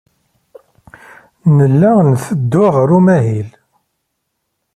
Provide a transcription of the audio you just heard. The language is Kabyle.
Nella netteddu ɣer umahil.